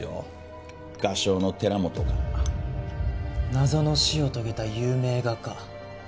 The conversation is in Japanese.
謎の死を遂げた有名画家。